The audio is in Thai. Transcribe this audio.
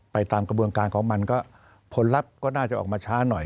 ตามกระบวนการของมันก็ผลลัพธ์ก็น่าจะออกมาช้าหน่อย